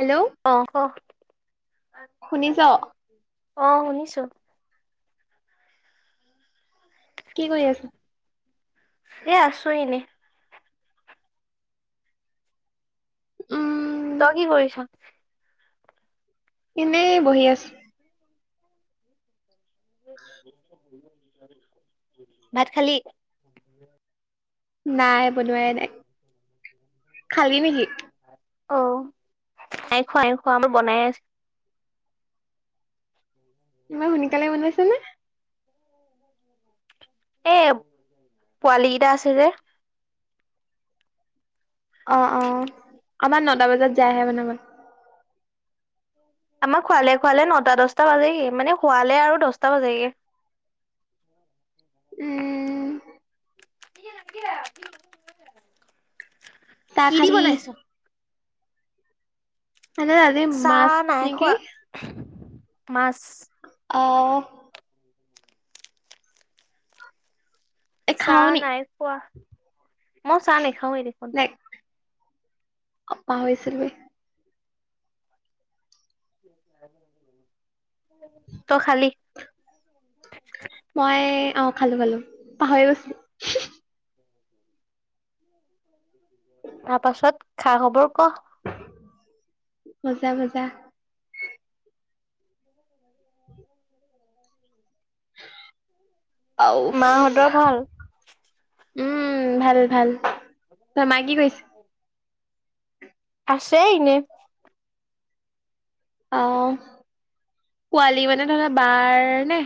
Hello অহ ক, শুনিছ কি অহ শুনিছো। কি কৰি আছা? এ আছো এনে। উম। তই কি কৰিছ? এনেই বহি আছো। ভাত খালী? নাই বনোৱাই নাই, খালী নেকি? অ, নাই খোৱা নাই খোৱা আমাৰ বনাই আছে। ইমান সোনকালে বনাইছে নে। এ পোৱালী কেইটা আছে যে। অ', অ', আমাৰ নটা বজাত যায়হে বনাব। আমাৰ খুৱালে খুৱালে নটা দচটা বাজেগে মানে খুৱালে আৰু দহটা বাজেগে। উ উম। চাহ কি দি খালি বনাইছ? মানে আজি চাহ মাছ নাই নেকি খোৱা, মাছ অ'। এ খাও চাহ নি নাই খোৱা, মই চাহ নাখাওঁৱে দেখোন। অ পা হৈছিলোৱে। তই খালি মই অ' খালো খালো। পাহৰি গৈছিলোঁ। তাৰ পাছত খা খবৰ ক। মজা মজা। উম আৰু মাহঁতৰ ভাল উম ভাল ভাল, তই মাই কি কৈছে? আছে এনে। অ' পোৱালি মানে ধৰা বাৰ নে?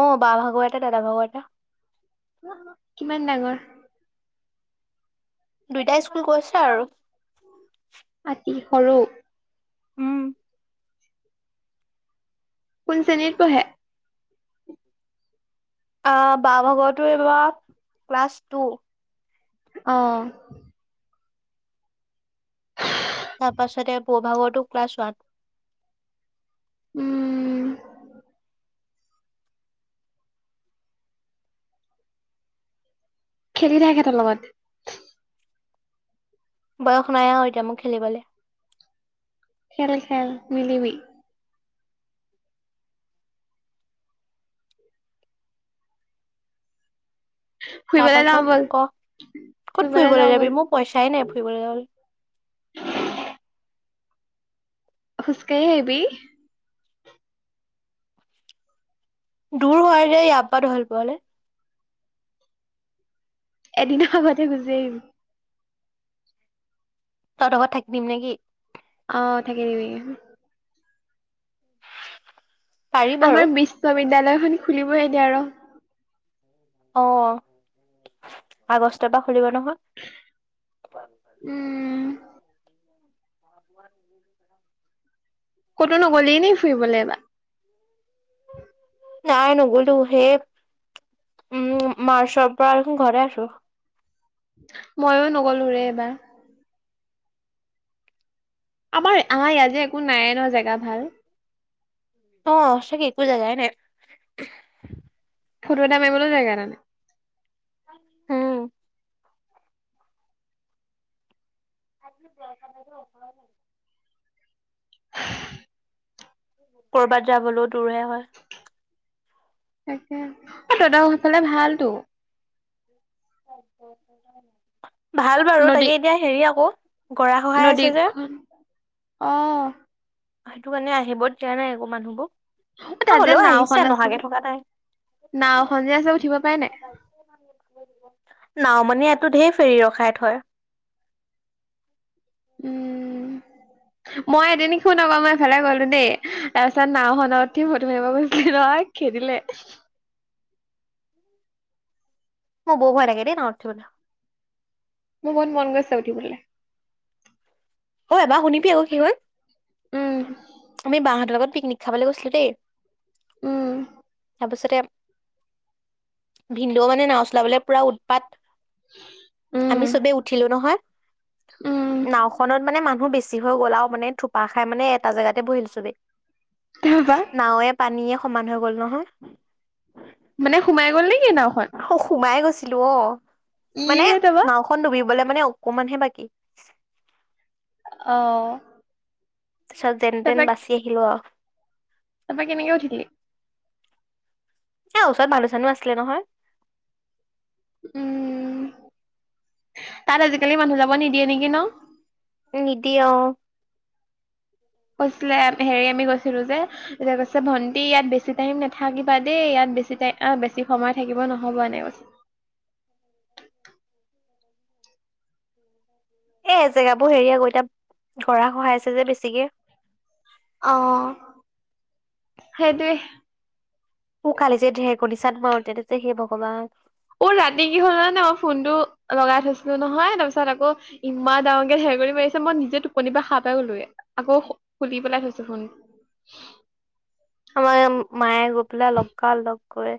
অ' বা ভাগুৱ এটা দাদা ভাগৰু এটা। কিমান ডাঙৰ? দুইটাই স্কুল গৈছে আৰু। আতি সৰু উম। কোন শ্ৰেণীত পঢ়ে? আহ বাভাগৰটো এইবাৰ ক্লাছ টু। অ'। তাৰপাছতে বৰ বভাগৰটো ক্লাছ ওৱান। উম। খেলি থাক সেঁতৰ লগত। বয়স নাই আৰু এতিয়া মোক খেলিবলৈ। খেল খেল মিলিবি। তাৰ ফুৰিবলৈ যাওঁ পাছত ব'ল কহ, কত ফুৰিবলৈ যাওঁ ব'ল যাবি মোৰ পইচাই নাই ফুৰিবলৈ যাবলৈ। অ' খোজ কাঢ়ি আহিবি। দূৰ হয় ইয়াৰপা ধৈল পুৰলে। এদিনৰ আগতে গুজি আহিবি। তহঁত ঘৰত থাকি দিম নেকি? অ' থাকি দিবি। পাৰি আমাৰ বাৰু বিশ্ববিদ্যয়ালয় খন খুলিবই এতিয়া ৰ'। অ' আগষ্টৰ পৰা খুলিব নহয়। উম আপ ক'তো নগ'লে ন ফুৰিবলৈ এইবাৰ? নাই নগলো হে উম মাৰ্চৰ পৰা দেখোন ঘৰতে আছোঁ। মইও নগলো ৰে এবাৰ। আমাৰ আমাৰ ইয়াত যে একো নাইে ন জেগা ভাল। অ' সঁচাকে একো জেগাই নাই। ফটো এটা মাৰিবল জেগা এটা নাই। হুম। [unintelligible] কৰ'বাত যাবলৈও দূৰহে হয়। তাকে অ' তত সফালে ভালতো। ভাল বাৰু নদী তাকে এতিয়া হেৰি আকৌ গৰা খহাই আছে যে নদীখন, অহ। সেইটো কাৰণে আহিব দিয়া নাই একো মানুহবোৰ। অ' তাত যে হ'লেও আহিছে নাওখন নহাকে আছিলে, থকা নাই। নাওখন যে আছে উঠিব পাই নাই? নাও মানে ইয়াতটো ঢেৰ ফেৰী ৰখাই থয়। উম। মই এদিন শুন আকৌ, মই এফালে গলো দেই তাৰপিছত নাও খনত উঠি ফটো মাৰিব গৈছিলো নহয় খেদিলে মোৰ বৰ ভয় লাগে দে নাৱত উঠিবলে মোৰ বহুত মন গৈছে উঠিবলৈ অ', এবাৰ শুনিবি আকৌ কি হল, উম আমি বাহঁতৰ লগত পিকনিক খাবলৈ গৈছিলোঁ দেই উম। তাৰপিছতে ভিনদেউ মানে নাও চলাবলে পুৰা উৎপাত। আমি উম চবেই উঠিলো নহয়, উম নাওখনত মানে মানুহ বেছি যি হৈ গলাও মানে থোপা খাই মানে এটা জেগাতে বহিল চবে, তাৰপা নাওয়ে পানীয়ে সমান হৈ গ'ল নহয়। মানে সোমাই গ'ল নে অ', সোমাই গৈছিলো অ, মানে ইয়ে তাৰপা নাওখন ডুবিবলৈ মানে অকমানহে বাকী আ, তাৰছত যেন তেন বাচি আহিলোঁ আৰু। তাৰপা কেনেকে উঠিলি? এ ওচৰত মানুহ চানো আছিলে নহয়। উম, তাত আজিকালি মানুহ যাব নিদিয়ে নেকি ন'? নিদিয়ে অ', কৈছিলে হেৰি আমি কৈছিলো যে এ কৈছে ভন্টি ইয়াত বেছি টাইম নাথাকিবা দেই ইয়াত বেছি টাই অ, বেছি সময় থাকিব নহব এনেকে কৈছে। এ জেগাবোৰ হেৰি আগৌ এতিয়া ঘৰা সহায়ছে যে বেছিকে। অ', সেইটোৱে মোক কালি যে ঢেৰকনিচাত মাৰোতেনে যে সেই ভগৱান অ', ৰাতি কি হ'ল জান' নাই, মই ফোনটো লগাই থৈছিলো নহয় তাৰ পিছত আকৌ ইমান ডাঙৰকে ধেৰেকনি মাৰিছে মই নিজে টোপনি পৰা হাৰ পাই গলোগে আকৌ খুলি পেলাই থৈছো ফোন। [inaudible] আমাৰ মায়ে গোপিলায় লগা লগ কৰে।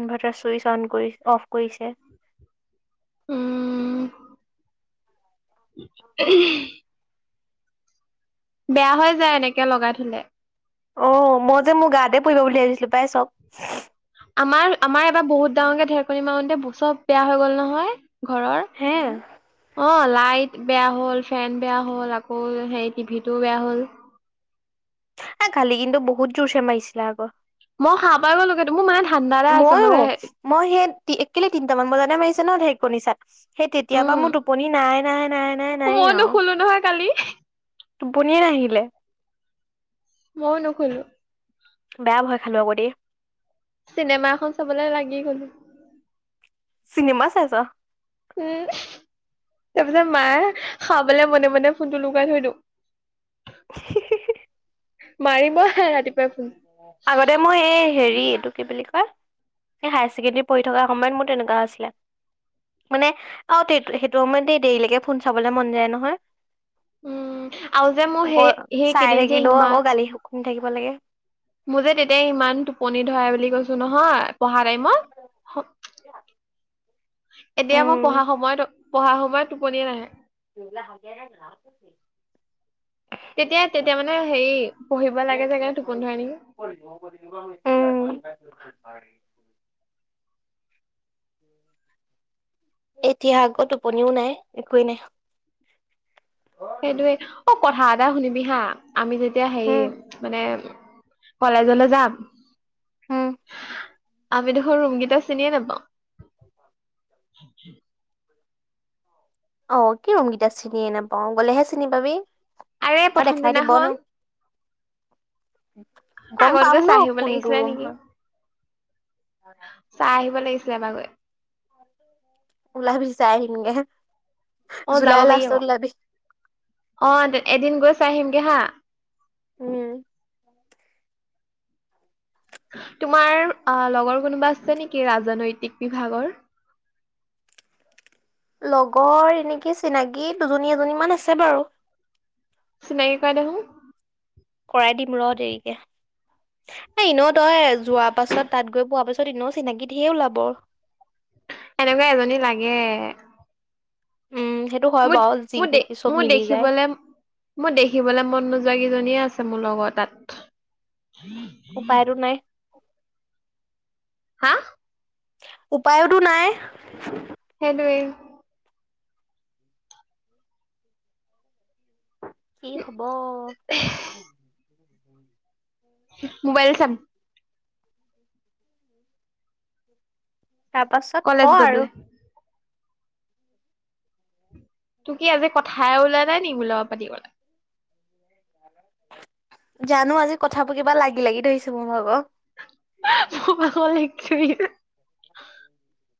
ইনভাৰ্টাৰ চুইচ অন কৰি অফ কৰিছে উম [inaudible] বেয়া হৈ যায় এনেকে লগাই থলে। অ', মই যে মোৰ গাতে পঢ়িব বুলি ভাবিছিলোঁ পাই চব। আমাৰ আমাৰ এবাৰ বহুত ডাঙৰকে ধেৰকনি মাৰতে ব চব বেয়া হৈ গল নহয়। ঘৰৰ হে অ', লাইট বেয়া হ'ল ফেন বেয়া হ'ল আকৌ সেই টিভিটো বেয়া হ'ল। আ, কালি কিন্তু বহুত জোৰ চে মাৰছিলে আকৌ। মই হাৰ পাই গ'লোঁগৈ মোৰ মায়ে ময়ো মই সেই একেলি তিনটামান বাজাটে মাৰিছে ন ঢেৰেকনি চাত। সেই তেতিয়াবা উম মোৰ টোপনি নাই - নাই - নাই - নাই - নাইয়ে ময়ো আৰু। নুশুলো নহয় কালি টোপনিয়ে নাহিলে। ময়ো নুশুলো। বেয়া ভয় খালো আক দেই। চিনেমাখন চাবলৈ লাগি গলো চিনেমা চাইছ? উম, তাৰপিছত মায়ে খাবলে মনে মনে ফোনটো লুকাই থৈ দিওঁ। [inaudible] মাৰিব ৰাতিপুৱাই ফোন আগতে মই এই হেৰি এইটো কি বুলি কয় সেই হায়াৰ ছেকেণ্ডৰী পঢ়ি থকা সময়ত মোৰ তেনেকুৱা আছিলে মানে অ', সেইটো সময়ত দেই দেৰিলৈকে ফোন চাবলে মন যায় নহয়। উম আৰু যে মোৰ অ'ক সেই চাই সেইকেইদিন যে থাকিলেও আকৌ ইমান গালি শুনি থাকিব লাগে। মোৰ যে তেতিয়াই ইমান টোপনি ধৰা বুলি কৈছো নহয়। পঢ়া টাইমত, এতিয়া মই উম। পঢ়া সময়ত পঢ়া সময়ত টোপনি নাহে। [inaudible] তেতিয়া তেতিয়া মানে হেৰি পঢ়িব লাগে যে সেইকাৰনে টোপনি ধৰে নেকি? উম, [inaudible] এতিয়া আকৌ টোপনিও নাই একোৱেই নাই। সেইটোয়ে অ', কথা এটা শুনিবি হা আমি যেতিয়া হেৰি উম, মানে কলেজলৈ যাম। উম, আমি দেখোন ৰুম কেইটা চিনিয়ে নাপাওঁ। অ', কি ৰুমকেইটা চিনিয়ে নাপাওঁ, গলেহে চিনি পাবি। আৰে আৰু প্ৰথম দেখাই দিব দিনাখন ন। গম আগত পাম গৈ ন চাই আহিব কোনটো লাগিছিলে ৰুম নেকি। হয়। চাই আহিব লাগিছিলে এবাৰগৈ। উলাবি চাই আহিমগে। অ', যাব জুলাই পাৰি লাষ্টত ওলাবি। অকৌ, এদিন গৈ চাই আহিমগে হা। উম, তোমাৰ আ, লগৰ কোনোবা আছে নেকি ৰাজনৈতিক বিভাগৰ? লগৰ এনেকে চিনাকী দুজনী এজনী মান আছে বাৰু। চিনাকী কৰাই দেহোন। কৰাই দিম ৰ' দেৰিকে। [inaudible] এ এনেও তই যোৱা পাছত, তাত গৈ পোৱা পাছত এনেও চিনাকী ধেৰে ওলাব। এনেকুৱা এজনী লাগে উম সেইটো হয় মোৰ বাৰু যি মোৰ দে নেকি চব মোৰ মিলি যায় দেখিবলে মই দেখিবলে মন নোযোৱা কেইজনীয়ে আছে মোৰ লগৰ তাত। উপায়টো নাই। হাঁ? উপায়োতো নাই। সেইটোৱে কি হব? মোবাইল চাম। তাৰ পাছত কলেজ ক' গৈ পেলাই আৰু। তু কি আজি কথাই উলোৱা নাই নি মোৰ লগত পাতি বলে। জানো আজি কথাবোৰ কিবা লাগি লাগি ধৰিছে মোৰ ভাগৰ। [unintelligible]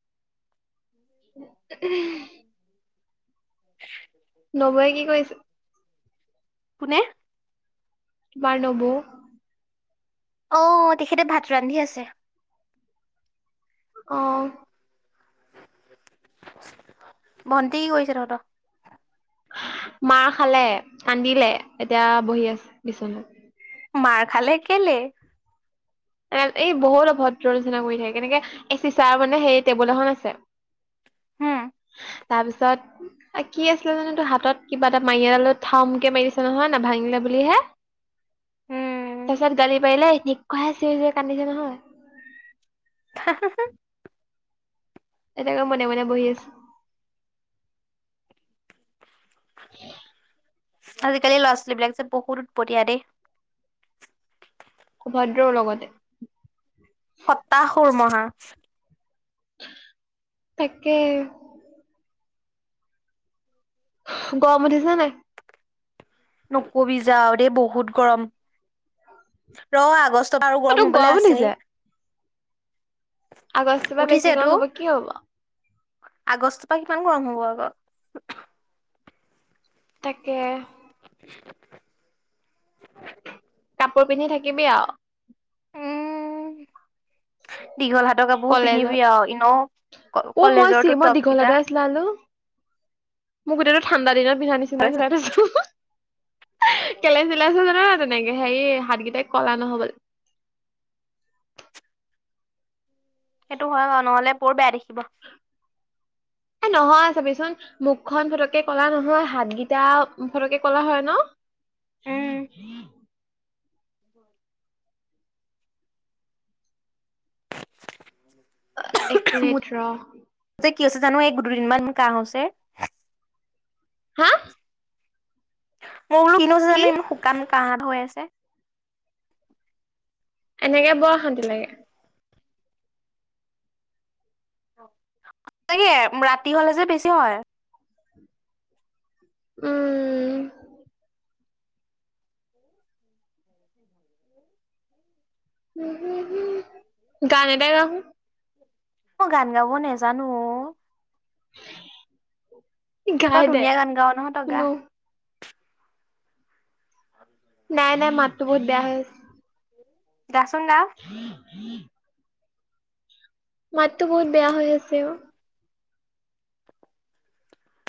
উম, [inaudible] নবয়ে কি কৰি আছে? কোনে? তোমাৰ নবৌ। অ', তেখেতে ভাত ৰান্ধি আছে। অ', ভণ্টি কৰিছে তহঁতক মাৰ খালে কান্দিলে এতিয়া বহি আছে বিচনাত। মাৰ খালে কেলে? এ এই বহুত অভদ্ৰ ৰচনা কৰি থাকে কেনেকে চিচাৰ মানে সেই টেবুল এখন আছে। হম [inaudible] তাৰ পিছত কি আছিলে জানো এইটো হাতত কিবা এটা মাৰি এডাল থামকে মাৰি দিছে নহয় ন। ভাঙিলে বুলিহে উম তাৰপিছত গালি পাৰিলে এনেকুৱাই চি চৰি কান্দিছে নহয় হা, হা, হা, এনেকে মনে মনে বহি আছো। [inaudible] আজিকালি ল'ৰা ছোৱালী বিলাক যে বহুত উৎপতিয়া দেই। অভদ্ৰও লগতে। সতাসুৰমহা। তাকে। গৰম উঠিছা নাই? নকবি যা আৰু দেই বহুত গৰম। ৰ' আগষ্ট পৰা আৰু অ গৰম তোৰ হবলৈ আছে। আগষ্ট পৰা বেছি গৰম উঠিছেতো। হব কি হ'ব? আগষ্টৰ পৰা কিমান গৰম হ'ব আকৌ? তাকে। কাপোৰ পিন্ধি থাকিবি আৰু। উম, দীঘল হাতৰ কাপোৰ পিন্ধিবি আৰু ইনেই। ও, মই চ মই দীঘলাতে আছিলোল মোৰ গোটেই ঠাণ্ডা দিনত পিন্ধা নিচিনা খুৰাতছো কেলাই চিলাইছো জান তেনেকে সেৰি হাতগেইটাই কলা নহল। সেইটো হয় নহলে বৰ বেয়া দেখিব। এ নহয় চাবিচোন মুখখন ফটকে কলা নহয় হাতগিটা ফটকে কলা হয় ন। [inaudible] হয়, একো মোৰ নেত্ৰ যে কি আছে জানো এই দুদিনমান কাহ হৈছে হা মই বোলো কিনো কি জানো ইমান শুকান কাহ হৈ আছে। এনেকে বৰশান্তি লাগে। হঁচাকে ৰাতি হ'লে যে বেছি হয়। উম, গান এটাই গা হু। মই গান গাব নেজানো অ, তই গাই দে ধুনীয়া গান গাৱ নহয় তই গা শুনো। নাই নাই মাতটো বহুত বেয়া হৈ আছে। গাচোন গা। [inaudible] মাততো বহুত বেয়া হৈ আছে অ,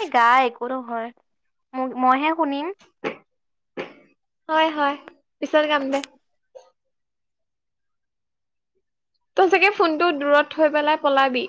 এই গা একো নহয় মইহে শুনিম। হয়, হয়, পিছত গাম দে। তই চাগে ফোনটো দূৰত থৈ পেলাই পলাবি।